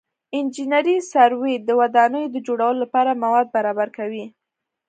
انجنیري سروې د ودانیو د جوړولو لپاره مواد برابر کوي